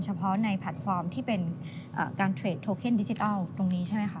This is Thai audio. เฉพาะในแพลตฟอร์มที่เป็นการเทรดโทเคนดิจิทัลตรงนี้ใช่ไหมคะ